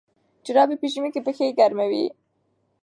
جرابې په ژمي کې پښې ګرموي.